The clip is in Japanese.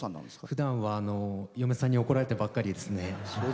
ふだんは、嫁さんに怒られてばっかりですね。